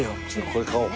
これ買おう。